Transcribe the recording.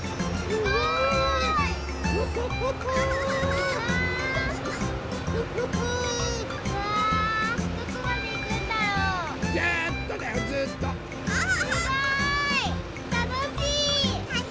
すごい！